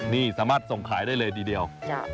นี่สามารถส่งขายได้เลยทีเดียว